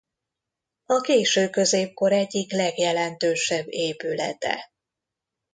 A késő középkor egyik legjelentősebb épülete.